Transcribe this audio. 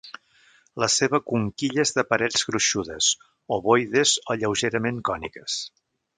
La seva conquilla és de parets gruixudes, ovoides o lleugerament còniques.